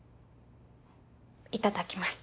いただきます。